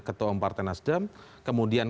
ketua omparte nasdem kemudian